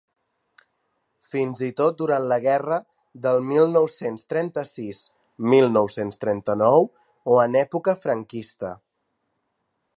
Fins i tot durant la guerra del mil nou-cents trenta-sis-mil nou-cents trenta-nou o en època franquista.